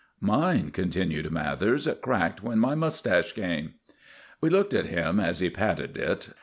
"Mine," continued Mathers, "cracked when my mustache came." We looked at him as he patted it.